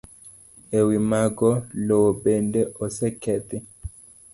E wi mago, lowo bende osekethi.